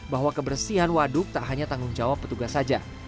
bahwa kebersihan waduk tak hanya tanggung jawab petugas saja